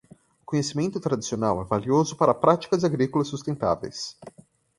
O conhecimento tradicional é valioso para práticas agrícolas sustentáveis.